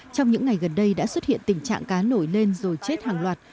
trong những ngày gần đây đã xuất hiện tình trạng cá nổi lên rồi chết hàng loạt